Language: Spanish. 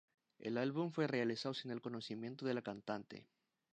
El álbum fue realizado sin el conocimiento de la cantante.